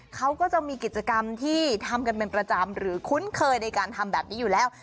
เขาก็จะมีกิจกรรมที่ทำกันเป็นประจำหรือคุ้นเคยในการทำแบบนี้อยู่แล้ว